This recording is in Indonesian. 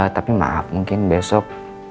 tapi maaf mungkin besok